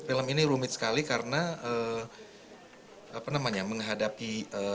film ini rumit sekali karena apa namanya menghadapi